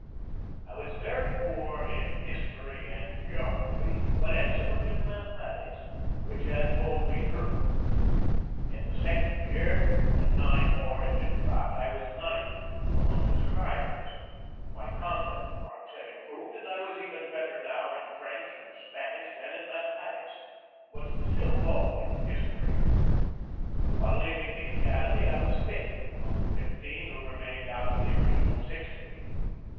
I was very poor in history and geography, but excellent in mathematics, which had pulled me through. In the second year, when nine more had AT ANNAPOLIS 15 been dropped, I was ninth among the survivors. My conduct marks had improved, and I was even better now in French and Spanish than in mathe matics, but still low in history. On leaving the acad emy I was fifth among the fifteen who remained out of the original sixty.